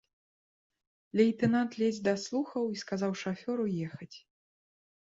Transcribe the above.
Лейтэнант ледзь даслухаў і сказаў шафёру ехаць.